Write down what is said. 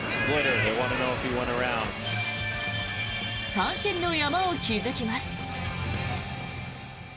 三振の山を築きます。